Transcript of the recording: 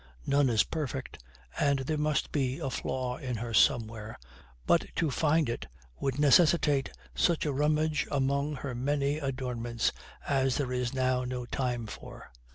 None is perfect, and there must be a flaw in her somewhere, but to find it would necessitate such a rummage among her many adornments as there is now no time for.